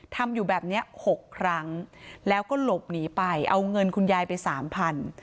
ทำอยู่แบบเนี้ยหกครั้งแล้วก็หลบหนีไปเอาเงินคุณยายไปสามพัน